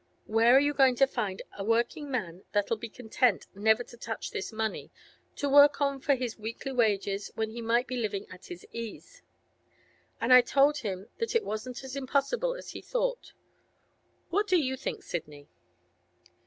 Where are you going to find a working man that'll be content never to touch this money—to work on for his weekly wages, when he might be living at his ease?" And I told him that it wasn't as impossible as he thought. What do you think, Sidney?